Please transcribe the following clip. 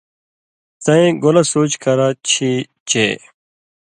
څَیں گولہ سُوچ کرہ چھی چے